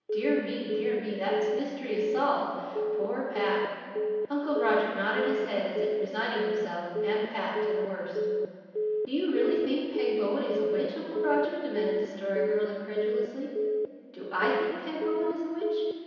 "Dear me! Dear me! That mystery is solved. Poor Pat!" Uncle Roger nodded his head, as if resigning himself and Pat to the worst. "Do you really think Peg Bowen is a witch, Uncle Roger?" demanded the Story Girl incredulously. "Do I think Peg Bowen is a witch?